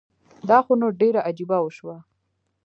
دا خو نو ډيره عجیبه وشوه